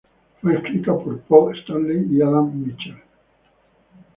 Fue escrita por Paul Stanley y Adam Mitchell.